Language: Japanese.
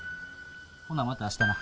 ほなまた明日な。